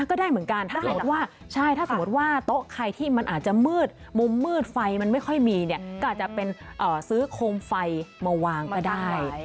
ก็ได้เหมือนกันถ้าหากว่าใช่ถ้าสมมุติว่าโต๊ะใครที่มันอาจจะมืดมุมมืดไฟมันไม่ค่อยมีเนี่ยก็อาจจะเป็นซื้อโคมไฟมาวางก็ได้